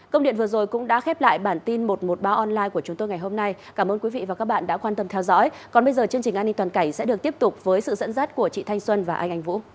còn bây giờ chương trình an ninh toàn cảnh sẽ được tiếp tục với sự dẫn dắt của chị thanh xuân và anh anh vũ